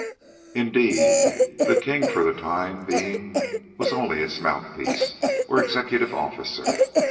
Indeed, the king for the time being was only its mouthpiece, or executive officer.